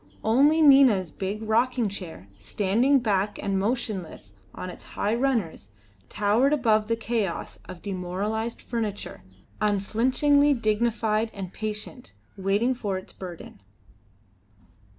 Only Nina's big rocking chair, standing black and motionless on its high runners, towered above the chaos of demoralised furniture, unflinchingly dignified and patient, waiting for its burden.